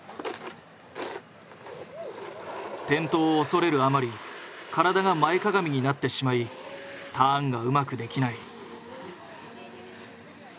転倒を恐れるあまり体が前かがみになってしまいターンがうまくできない。